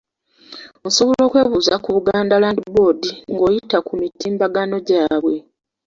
Osobola okwebuuza ku Buganda Land Board nga oyita ku mutimbagano gwabwe.